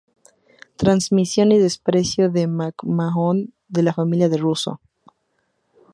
Transmisión y el desprecio de McMahon de la familia de Russo.